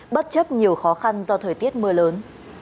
bất chấp nhiều khó khăn do thời tiết mưa lớn